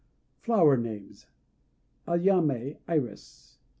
FLOWER NAMES Ayamé "Iris."